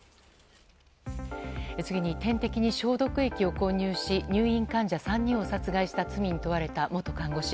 次に点滴に消毒液を混入し入院患者３人を殺害した罪に問われた元看護師。